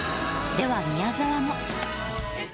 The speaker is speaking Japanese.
では宮沢も。